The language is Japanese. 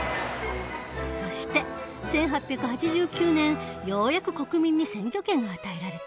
そして１８８９年ようやく国民に選挙権が与えられた。